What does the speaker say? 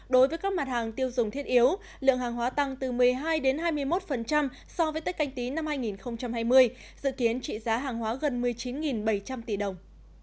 đối với các mặt hàng tiêu dùng thiết yếu lượng hàng hóa tăng từ một mươi hai hai mươi một so với tết canh tí năm hai nghìn hai mươi dự kiến trị giá hàng hóa gần một mươi chín bảy trăm linh tỷ đồng